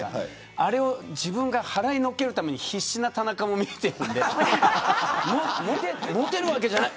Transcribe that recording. あれを払いのけるために必死な田中も見てるんでもてるわけじゃない。